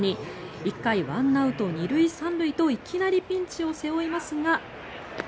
１回、１アウト２塁３塁といきなりピンチを背負いますが。